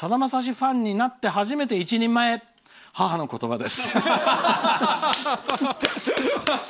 ファンになって初めて一人前母の言葉です」。